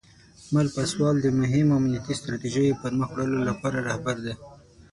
مل پاسوال د مهمو امنیتي ستراتیژیو د پرمخ وړلو لپاره رهبر دی.